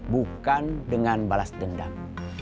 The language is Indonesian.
bukan dengan balas dendam